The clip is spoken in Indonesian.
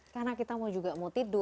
karena kita juga mau tidur